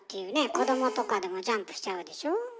子どもとかでもジャンプしちゃうでしょ？